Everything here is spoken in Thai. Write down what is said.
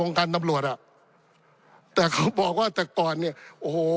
วงการตำลัวแต่เขาบอกว่าแต่ตอนเนี้ยโอ้โห